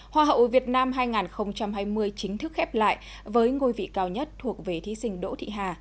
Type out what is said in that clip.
hoa hậu việt nam hai nghìn hai mươi chính thức khép lại với ngôi vị cao nhất thuộc về thí sinh đỗ thị hà